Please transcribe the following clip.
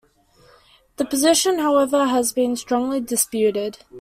This position, however, has been strongly disputed.